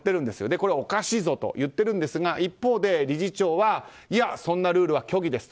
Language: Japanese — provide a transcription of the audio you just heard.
これ、おかしいぞと言っているんですが一方で理事長はいや、そんなルールは虚偽ですと。